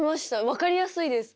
分かりやすいです。